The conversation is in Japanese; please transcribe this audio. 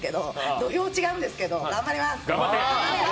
土俵、違うんですけど頑張ります！